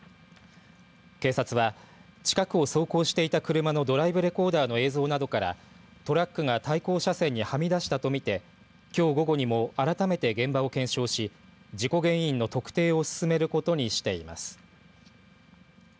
警察は近くを走行していた車のドライブレコーダーの映像などからトラックが対向車線にはみ出したと見てきょう午後にも改めて現場を検証し事故原因の特定を進めることにしています。